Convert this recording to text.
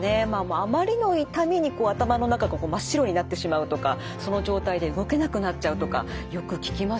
あまりの痛みに頭の中が真っ白になってしまうとかその状態で動けなくなっちゃうとかよく聞きますよね。